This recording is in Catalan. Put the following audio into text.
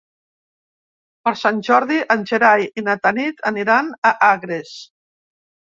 Per Sant Jordi en Gerai i na Tanit aniran a Agres.